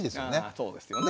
そうですよね。